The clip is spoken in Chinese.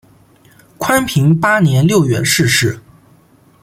宽平八年六月逝世。